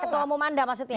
ketua umum anda maksudnya